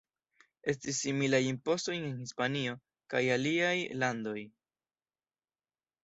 Estis similaj impostoj en Hispanio kaj aliaj landoj.